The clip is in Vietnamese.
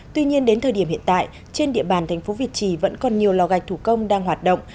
tuy nhiên đến thời điểm hiện tại trên địa bàn thành phố việt trì vẫn còn nhiều lò gạch thủ công đang hoạt động